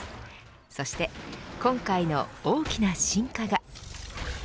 そして今回の大きな進化が。